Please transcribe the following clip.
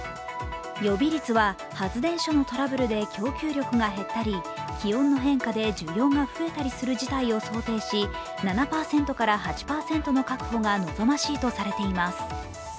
予備率は、発電所のトラブルで供給力が減ったり、気温の変化で需要が増えたりする事態を想定し、７８％の確保が望ましいとされています。